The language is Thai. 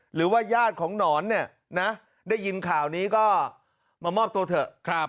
หรือว่าญาติของหนอนเนี่ยนะได้ยินข่าวนี้ก็มามอบตัวเถอะ